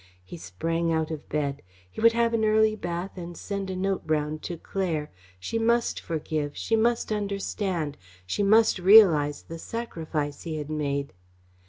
He sprang out of bed. He would have an early bath and send a note round to Claire. She must forgive. She must understand. She must realise the sacrifice he had made.